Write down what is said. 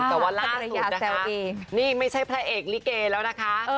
แต่ว่าล่าสุดนะคะนี่ไม่ใช่พระเอกลิเกแล้วนะคะ